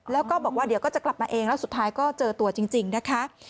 แล้วก็บอกว่าเดี๋ยวก็จะกลับมาเองแล้วสุดท้ายก็เจอตัวจริงนะคะ